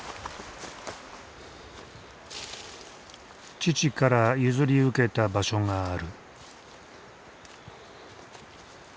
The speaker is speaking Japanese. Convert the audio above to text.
父から譲り受けた場所がある。